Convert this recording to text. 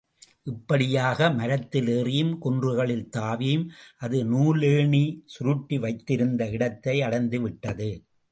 இப்படியாக மரத்தில் ஏறியும், குன்றுகளில் தாவியும், அது நூலேணி சுருட்டி வைத்திருந்த இடத்தை அடைந்துவிட்டது.